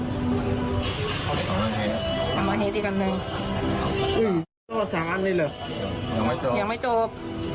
สามังเหศอีกคันหนึ่งจริงหรือยังหยั่งไม่จบ